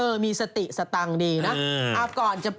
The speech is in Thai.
มีสติสตังค์ดีนะ